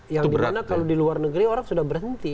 yang dimana kalau di luar negeri orang sudah berhenti